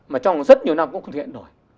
mà trong rất nhiều năm cũng không thể hiện nổi